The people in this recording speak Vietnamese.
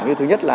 như thứ nhất là